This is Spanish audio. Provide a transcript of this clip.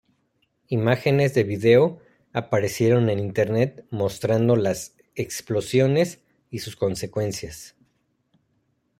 Imágenes de video aparecieron en internet mostrando las explosiones y sus consecuencias.